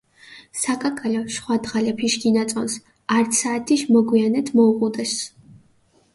საკაკალო, შხვა დღალეფიშ გინაწონს, ართ საათიშ მოგვიანეთ მოუღუდეს.